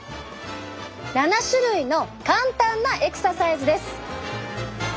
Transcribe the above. ７種類の簡単なエクササイズです！